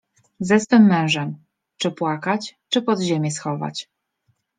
Ze swym mężem, czy płakać, czy pod ziemię schować.